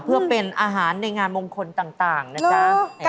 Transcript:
เพื่อเป็นอาหารในงานมงคลต่างนะจ๊ะ